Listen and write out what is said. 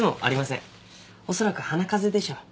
おそらく鼻風邪でしょう。